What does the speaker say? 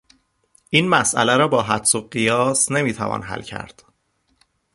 این مسئله را با حدس و قیاس نمیتوان حل کرد.